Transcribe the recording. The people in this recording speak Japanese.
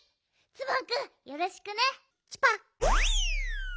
ツバンくんよろしくね。